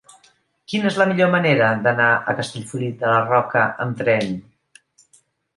Quina és la millor manera d'anar a Castellfollit de la Roca amb tren?